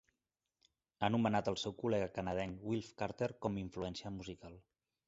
Ha nomenat el seu col·lega canadenc Wilf Carter com influència musical.